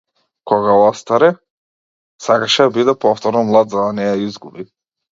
Кога остаре, сакаше да биде повторно млад за да не ја изгуби.